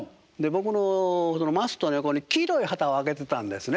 僕のマストの横に黄色い旗を揚げてたんですね。